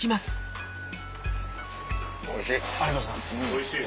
おいしい。